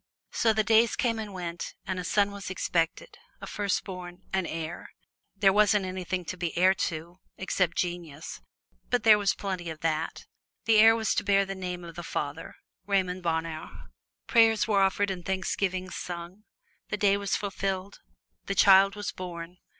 So the days came and went, and a son was expected a firstborn an heir. There wasn't anything to be heir to except genius, but there was plenty of that. The heir was to bear the name of the father Raymond Bonheur. Prayers were offered and thanksgivings sung. The days were fulfilled. The child was born.